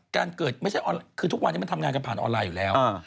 การเกิดไม่ใช่คือทุกวันนี้มันทำงานกันผ่านออนไลน์อยู่แล้ว